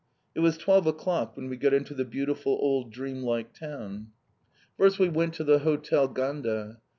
It was twelve o'clock when we got into the beautiful old dreamlike town. First we went to the Hotel Ganda.